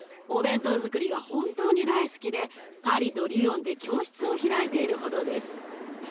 お弁当づくりが本当に大好きでパリとリヨンで教室を開いているほどです。